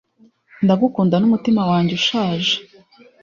Ndagukunda numutima wanjye ushaje